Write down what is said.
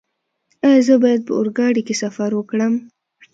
ایا زه باید په اورګاډي کې سفر وکړم؟